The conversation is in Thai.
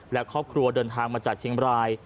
และครอบครัวเดินทางมาจากเชียงบราย